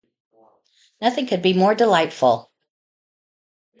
Nothing could be more delightful!